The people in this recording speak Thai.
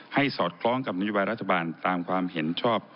สอดคล้องกับนโยบายรัฐบาลตามความเห็นชอบ